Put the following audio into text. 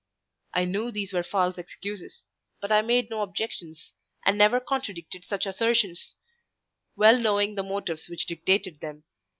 I knew these were false excuses, but I made no objections, and never contradicted such assertions, well knowing the motives which dictated them.